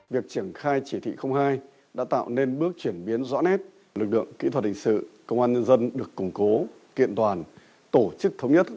việc triển khai chỉ thị hai đã tạo nên bước chuyển biến rõ nét lực lượng kỹ thuật hình sự công an nhân dân được củng cố kiện toàn tổ chức thống nhất